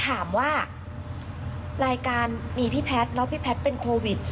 ถามว่ารายการมีพี่แพทย์แล้วพี่แพทย์เป็นโควิด